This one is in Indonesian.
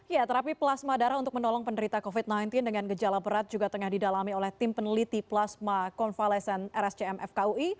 ya terapi plasma darah untuk menolong penderita covid sembilan belas dengan gejala berat juga tengah didalami oleh tim peneliti plasma konvalesen rscm fkui